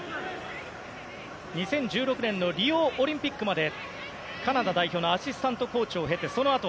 ２０１６年のリオオリンピックまでカナダ代表のアシスタントコーチを経てそのあと